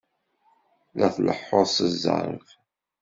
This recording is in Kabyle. La tleḥḥuḍ s zzerb!